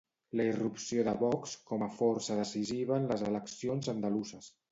La irrupció de Vox com a força decisiva en les eleccions andaluses.